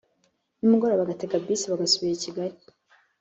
nimugoroba bagatega bisi bagasubira i kigali